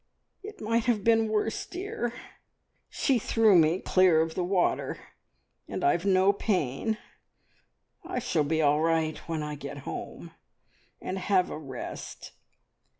"It might have been worse, dear! She threw me clear of the water, and I've no pain. I shall be all right when I get home, and have a rest."